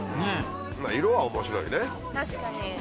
確かに。